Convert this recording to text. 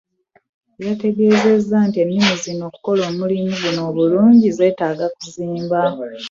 Yategeezezza nti ennimi zino okukola omulimu guno obulungi zeetaaga okuzimba.